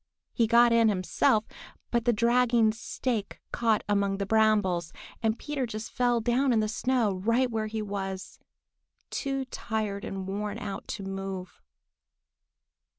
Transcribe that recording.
He got in himself, but the dragging stake caught among the brambles, and Peter just fell down in the snow right where he was, too tired and worn out to move.